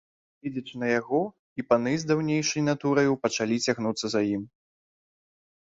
Гледзячы на яго, і паны з даўнейшай натураю пачалі цягнуцца за ім.